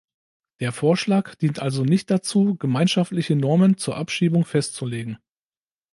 Der Vorschlag dient also nicht dazu, gemeinschaftliche Normen zur Abschiebung festzulegen.